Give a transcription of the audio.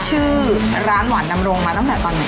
ใช่ค่ะเป็นแผงเล็กเองค่ะ